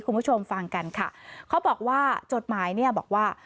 คุณผู้ชมฟังกันค่ะเขาบอกว่าจดหมายเนี่ยบอกว่า